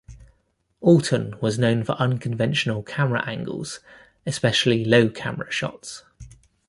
Alton was known for unconventional camera angles-especially low camera shots.